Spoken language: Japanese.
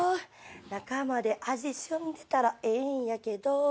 中まで味しゅんでたらええんやけど。